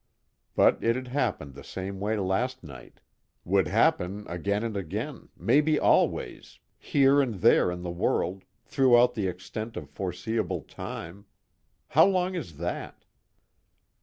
_ But it had happened the same way last night, would happen again and again, maybe always, here and there in the world, throughout the extent of foreseeable time: how long is that?